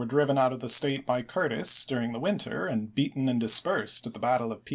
driven out of the State by Curtis during the winter, and beaten and dispersed at the battle of March,i862.